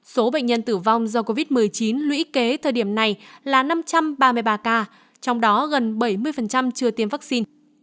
số bệnh nhân tử vong do covid một mươi chín lũy kế thời điểm này là năm trăm ba mươi ba ca trong đó gần bảy mươi chưa tiêm vaccine